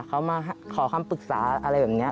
เขามาขอคำปรึกษาอะไรแบบนี้